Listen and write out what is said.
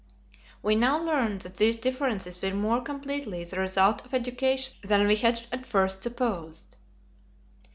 We now learned that these differences were more completely the result of education than we had at first supposed.